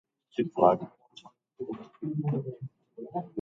He was laid to rest in the Turkish State Cemetery in Ankara.